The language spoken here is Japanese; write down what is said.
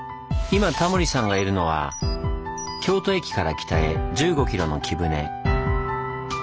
今タモリさんがいるのは京都駅から北へ１５キロの貴船。